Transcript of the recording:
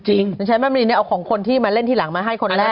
ฉันใช้แม่มณีเนี่ยเอาของคนที่มาเล่นทีหลังมาให้คนแรก